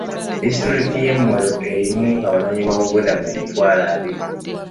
Disitulikiti y'e Moyo erimu abanoonyiboobubudamu emitwalo abiri.